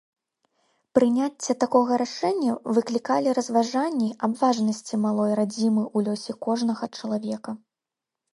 Прыняцце такога рашэння выклікалі разважанні аб важнасці малой радзімы ў лёсе кожнага чалавека.